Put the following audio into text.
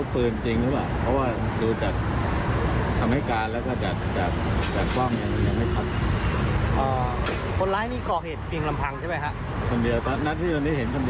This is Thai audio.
คนเดียวก็นัดที่เราได้เห็นคนเดียว